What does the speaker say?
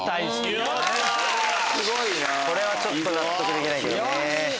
ちょっと納得できないけどね。